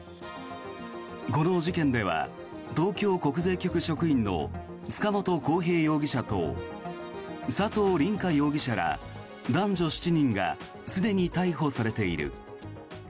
この事件では、東京国税局職員の塚本晃平容疑者と佐藤凛果容疑者ら男女７人がすでに逮捕されている。